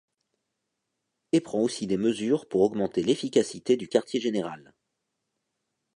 Et prend aussi des mesures pour augmenter l'efficacité du Quartier général.